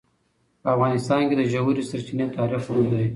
په افغانستان کې د ژورې سرچینې تاریخ اوږد دی.